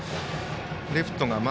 レフトが前。